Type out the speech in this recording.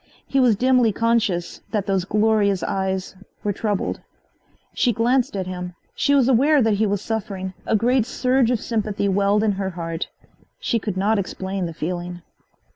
He was dimly conscious that those glorious eyes were troubled. She glanced at him. She was aware that he was suffering. A great surge of sympathy welled in her heart. She could not explain the feeling.